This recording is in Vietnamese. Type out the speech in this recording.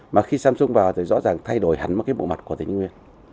mà khi samsung vào thì rõ ràng thay đổi hẳn một cái bộ mặt của tỉnh thái nguyên